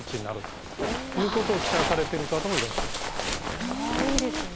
それはいいですね。